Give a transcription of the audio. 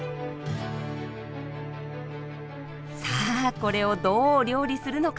さあこれをどう料理するのか？